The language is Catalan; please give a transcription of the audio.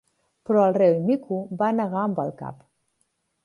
Però el Rei Mico va negar amb el cap.